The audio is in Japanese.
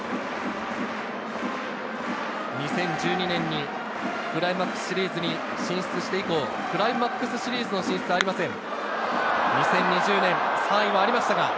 ２０１２年にクライマックスシリーズに進出して以降、クライマックスシリーズの進出はありません。